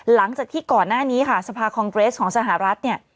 หลังจากที่ก่อนหน้านี้ค่ะสภาคองเกรสของสหรัฐเนี่ย